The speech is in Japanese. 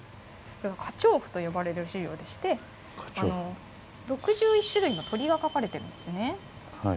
華鳥譜と呼ばれる資料でして６１種類の鳥が描かれてるんですね。